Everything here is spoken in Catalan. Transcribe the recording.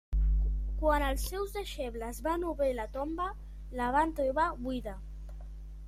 Quan els seus deixebles van obrir la tomba, la van trobar buida.